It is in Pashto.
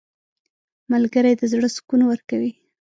• ملګری د زړه سکون ورکوي.